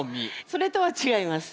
それとは違います。